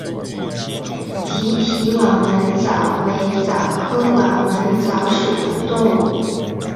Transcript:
棘体网纹蚤为蚤科网纹蚤属的动物。